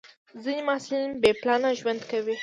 ځینې محصلین بې پلانه ژوند کوي.